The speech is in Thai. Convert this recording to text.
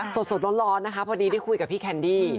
สดร้อนนะคะพอดีได้คุยกับพี่แคนดี้